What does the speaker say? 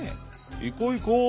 「いこいこ」。